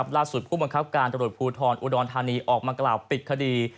ผู้บังคับการตรวจภูทรอุดรธานีออกมากล่าวปิดคดี